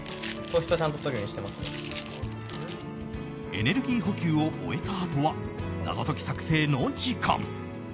エネルギー補給を終えたあとは謎解き作成の時間。